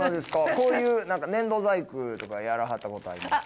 こういう何か粘土細工とかやらはったことありますか。